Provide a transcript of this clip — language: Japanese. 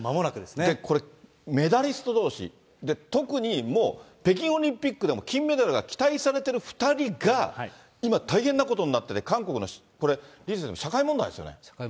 これ、メダリストどうし、特にもう、北京オリンピックでも金メダルが期待されてる２人が、今、大変なことになってて、韓国の、李先生、社会問題ですね。